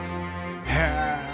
へえ！